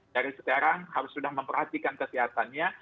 dari sekarang harus sudah memperhatikan kesehatannya